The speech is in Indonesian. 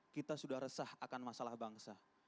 kita sudah resah akan masalah bangsa